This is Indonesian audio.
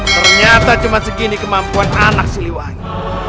ternyata cuma segini kemampuan anak si li wangi